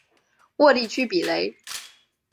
沃地区比雷。